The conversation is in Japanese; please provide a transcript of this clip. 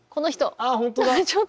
ああ本当だ。